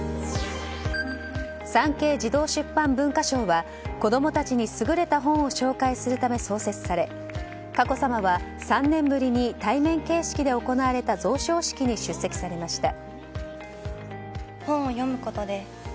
産経児童文化出版賞は子供たちに優れた本を紹介するため創設され佳子さまは３年ぶりに対面形式で行われｔが贈賞式に出席されました。